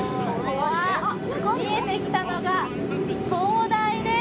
見えてきたのが、灯台です。